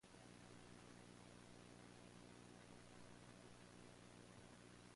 It belongs to the district of Euskirchen.